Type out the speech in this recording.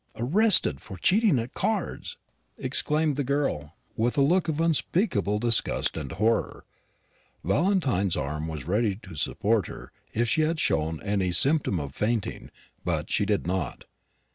"Arrested, for cheating at cards!" exclaimed the girl, with a look of unspeakable disgust and horror. Valentine's arm was ready to support her, if she had shown any symptom of fainting; but she did not.